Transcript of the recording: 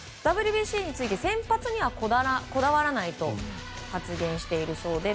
ＷＢＣについて先発にはこだわらないと発言しているそうで。